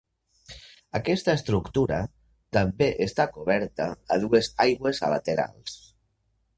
Aquesta estructura també està coberta a dues aigües a laterals.